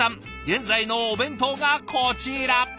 現在のお弁当がこちら。